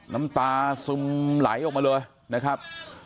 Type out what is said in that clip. น้ำตาซึมไหลออกมาเลยนะครับ